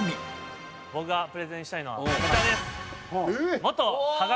僕がプレゼンしたいのはこちらです。